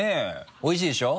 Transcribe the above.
おいしいでしょ？